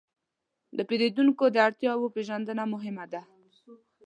د پیرودونکو د اړتیاوو پېژندنه مهمه ده.